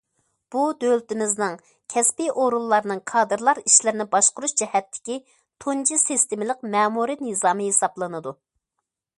بۇ دۆلىتىمىزنىڭ كەسپىي ئورۇنلارنىڭ كادىرلار ئىشلىرىنى باشقۇرۇش جەھەتتىكى تۇنجى سىستېمىلىق مەمۇرىي نىزامى ھېسابلىنىدۇ.